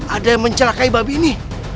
ada yang mencelakai babi ini